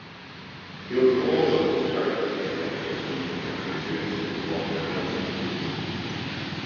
He was always directly elected in the constituency of Gelsenkirchen.